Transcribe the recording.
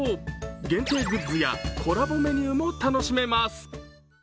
限定グッズやコラボメニューも楽しめます。